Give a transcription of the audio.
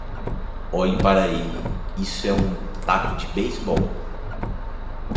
Olhe para ele! Isso é um taco de beisebol?